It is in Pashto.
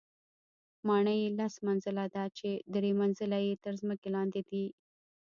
ماڼۍ یې لس منزله ده، چې درې منزله یې تر ځمکې لاندې دي.